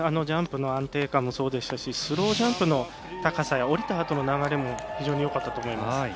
ジャンプの安定感もそうでしたしスロージャンプの高さや降りたあとの流れも非常によかったと思います。